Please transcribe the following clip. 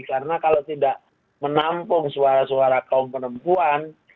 karena kalau tidak menampung suara suara kaum perempuan